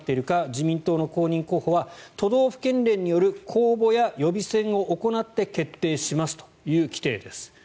自民党の公認候補は都道府県連による公募や予備選を行って決定しますという規定です。